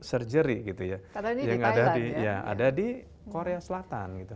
surgery gitu ya karena ini di thailand ya ada di korea selatan